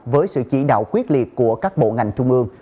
với sự chỉ đạo quyết liệt của các bộ ngành trung ương